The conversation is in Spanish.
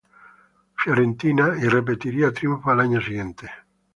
Fiorentina, y repetiría triunfo el año siguiente.